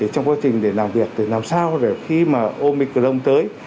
trong quá trình làm việc làm sao để khi omicron tới